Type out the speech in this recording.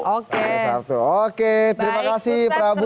oke terima kasih prabu